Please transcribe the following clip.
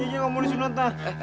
igin kamu disunat nah